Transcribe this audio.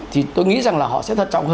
thì tôi nghĩ rằng là họ sẽ